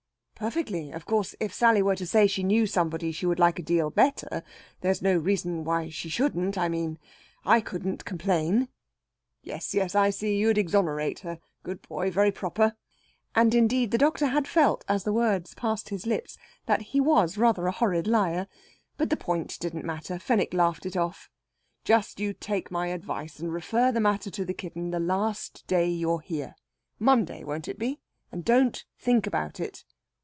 "Perfectly. Of course, if Sally were to say she knew somebody she would like a deal better, there's no reason why she shouldn't.... I mean I couldn't complain." "Yes yes! I see. You'd exonerate her. Good boy! Very proper." And indeed the doctor had felt, as the words passed his lips, that he was rather a horrid liar. But the point didn't matter. Fenwick laughed it off: "Just you take my advice, and refer the matter to the kitten the last day you're here. Monday, won't it be? And don't think about it!"